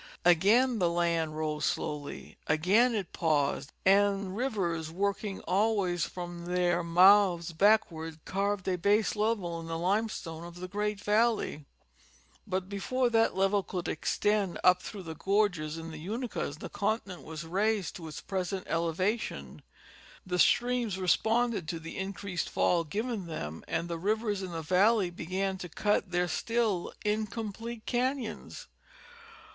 Again the land rose slowly ; again it paused, and rivers, working always from their mouths backward, carved a base level in the limestones of the great valley ; but hefore that level could extend up through the gorges in the Unakas, the continent was raised to its present elevation, the streams responded to the increased fall given them and the rivers in the valley began to cut their still incomplete canons.